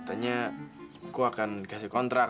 nah katanya aku akan dikasih kontrak